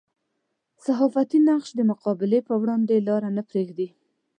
صحافتي نقش د مقابلې پر وړاندې لاره نه پرېږدي.